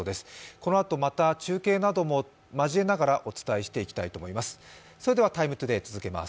このあとまた中継なども交えながらお伝えしていきたいと思います。